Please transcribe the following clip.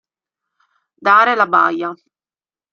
Dare la baia.